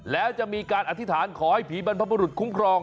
แล้วจะมีการอธิษฐานขอให้ผีบรรพบุรุษคุ้มครอง